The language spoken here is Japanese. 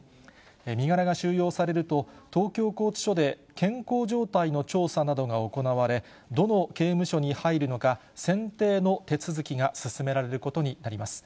身柄が収容されると、東京拘置所で健康状態の調査などが行われ、どの刑務所に入るのか、選定の手続きが進められることになります。